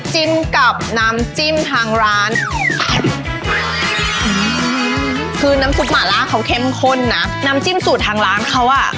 จุ่มลงไปในชาบูน้ำดำแบบนี้นะคะ